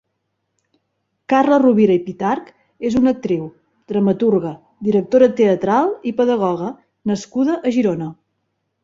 Carla Rovira i Pitarch és una actriu, dramaturga, directora teatral i pedagoga nascuda a Girona.